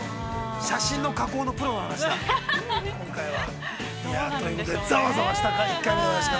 写真の加工のプロの話だ、今回は。ということでざわざわした１回目でございました。